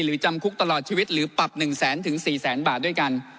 จำคุกตลอดชีวิตหรือปรับ๑แสนถึง๔แสนบาทด้วยกัน